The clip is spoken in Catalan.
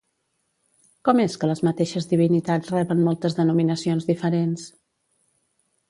Com és que les mateixes divinitats reben moltes denominacions diferents?